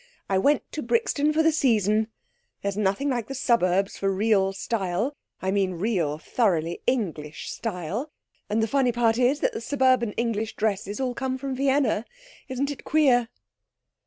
I went to Brixton for the season. There's nothing like the suburbs for real style I mean real, thoroughly English style. And the funny part is that the suburban English dresses all come from Vienna. Isn't it queer?'